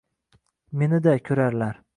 Meni-da koʻrarlar